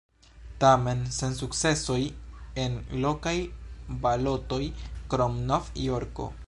Tamen sen sukcesoj en lokaj balotoj, krom Nov-Jorko.